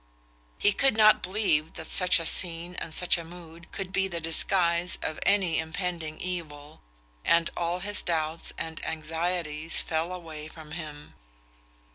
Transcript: He could not believe that such a scene and such a mood could be the disguise of any impending evil, and all his doubts and anxieties fell away from him.